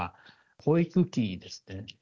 保育器ですね。